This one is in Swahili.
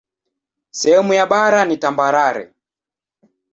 Sehemu ya bara ni tambarare.